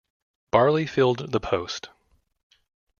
Barley filled the post.